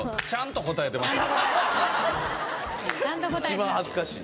一番恥ずかしい。